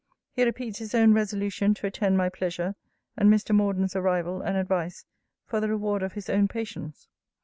He repeats his own resolution to attend my pleasure, and Mr. Morden's arrival and advice, for the reward of his own patience.